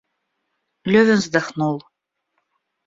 Левин вздохнул.